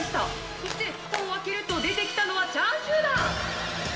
そして、ふたを開けると出てきたのはチャーシューだ。